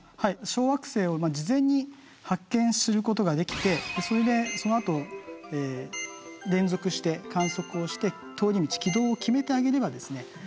小惑星を事前に発見することができてそれでそのあと連続して観測をして通り道軌道を決めてあげればですね